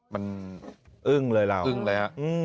มันอึ้งเลยแล้ว